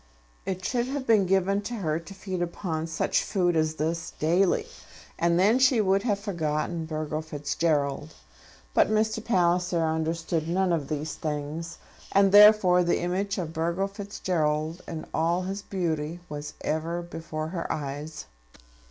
It should have been given to her to feed upon such food as this daily, and then she would have forgotten Burgo Fitzgerald. But Mr. Palliser understood none of these things; and therefore the image of Burgo Fitzgerald in all his beauty was ever before her eyes.